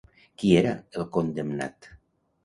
Qui era el condemnat?